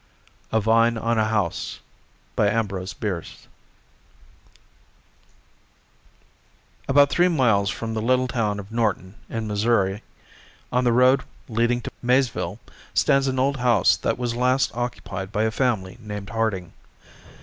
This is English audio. A VINE ON A HOUSE ABOUT three miles from the little town of Norton, in Missouri, on the road leading to Maysville, stands an old house that was last occupied by a family named Harding.